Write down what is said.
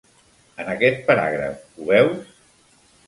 En aquest paràgraf, ho veus?